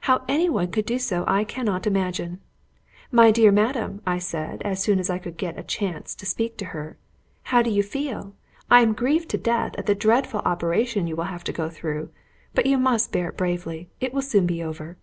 How any one could do so I cannot imagine. 'My dear madam,' I said as soon as I could get a chance to speak to her, 'how do you feel? I am grieved to death at the dreadful operation you will have to go through. But you must bear it bravely; it will soon be over.'